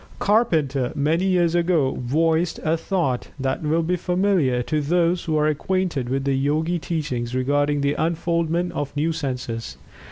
Carpenter, many years ago, voiced a thought that will be familiar to those who are acquainted with the Yogi teachings regarding the unfoldment of new senses.